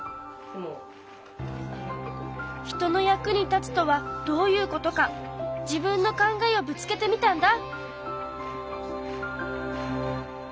人の役に立つとはどういうことか自分の考えをぶつけてみたんだ。